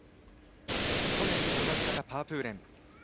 去年と同じ形、パープーレン。